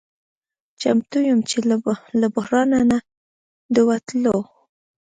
چمتو یم چې له بحران نه د وتلو